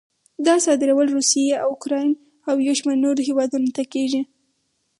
دا صادرول روسیې، اوکراین او یو شمېر نورو هېوادونو ته کېږي.